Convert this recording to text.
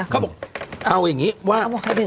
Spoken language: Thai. เอาอย่างงี้ว่า